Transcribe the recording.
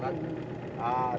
terakhir adalah penegakan